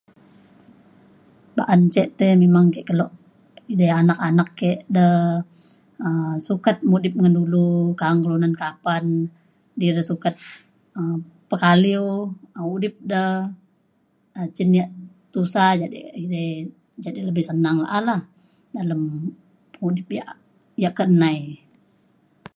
ba'an ce te memang ke kelo edei anak anak ke da um sukat mudip ngan dulu kaang kelunan kapan di re sukat um pakaliu udip de um cin ia' tusah jadi edei jadi lebih senang la'a lah dalem udip ia' ia' ka nai